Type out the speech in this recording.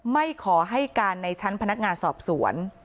ไม่ขอให้การในชั้นพนักงานสอบสวน